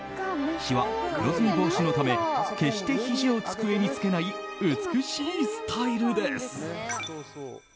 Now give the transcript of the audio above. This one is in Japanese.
しわ、黒ずみ防止のため決してひじを机につけない美しいスタイルです。